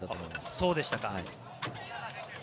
そうでしたか。